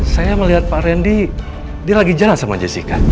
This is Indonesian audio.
saya melihat pak randy dia lagi jalan sama jessica